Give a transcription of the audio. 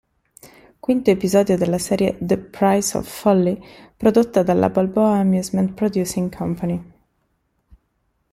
Quinto episodio della serie "The Price of Folly" prodotta dalla Balboa Amusement Producing Company.